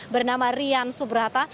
bernama rian subrata